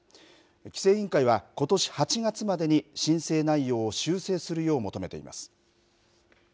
規制委員会は、ことし８月までに申請内容を修正するよう求めています。